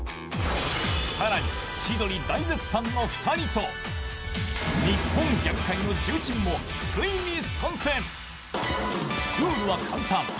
更に千鳥大絶賛の２人と日本ギャグ界の重鎮も、ついに参戦ルールは簡単。